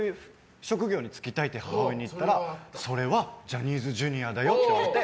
職業に就きたいって母親に言ったらそれはジャニーズＪｒ．だよって言われて。